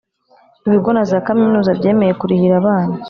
ibigo na za Kaminuza byemeye kurihira abana.